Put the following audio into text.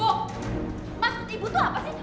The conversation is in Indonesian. bu maksud ibu tuh apa sih